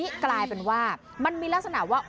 สุดทนแล้วกับเพื่อนบ้านรายนี้ที่อยู่ข้างกัน